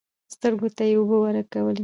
سترګو ته يې اوبه ورکولې .